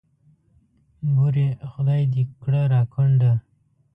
بورې خدای دې کړه را کونډه.